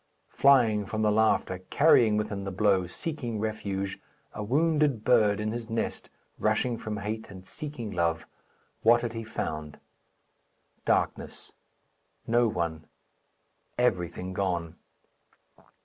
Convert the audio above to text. Flying from the laughter, carrying with him the blow, seeking refuge, a wounded bird, in his nest, rushing from hate and seeking love, what had he found? Darkness. No one. Everything gone.